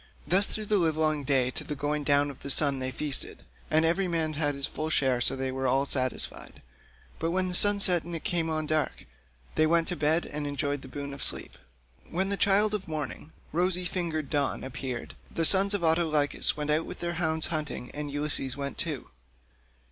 Thus through the livelong day to the going down of the sun they feasted, and every man had his full share so that all were satisfied; but when the sun set and it came on dark, they went to bed and enjoyed the boon of sleep. When the child of morning, rosy fingered Dawn, appeared, the sons of Autolycus went out with their hounds hunting, and Ulysses went too.